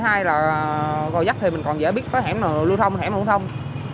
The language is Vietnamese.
hai là gòi dắt thì mình còn dễ biết có hẻm nào lưu thông hẻm nào lưu thông